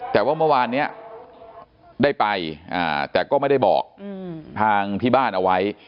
แต่ว่าเมื่อวานนี้ได้ไปแต่ก็ไม่ได้บอกทางที่บ้านเอาไว้